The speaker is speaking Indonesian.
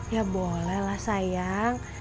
ya boleh lah sayang